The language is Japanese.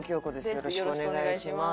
よろしくお願いします」。